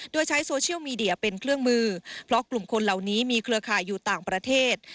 โดยใช้โซเชียลมีเดียเป็นเครื่องมือเพราะกลุ่มคนเหล่านี้มีเครือข่ายอยู่ต่างประเทศ